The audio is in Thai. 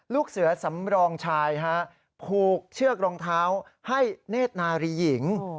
ลูกเสือสำรองชายฮะผูกเชือกรองเท้าให้เนธนารีหญิง